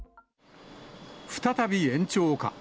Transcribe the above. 再び延長か。